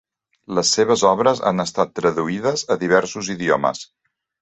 Les seves obres han estat traduïdes a diversos idiomes.